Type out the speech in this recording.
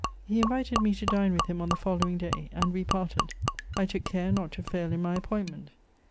He invited me to dine with him on the following day, and we parted. I took care not to fail in my appointment.